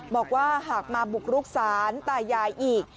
บอกว่าหากมาบุกรุกศาลตายายอีก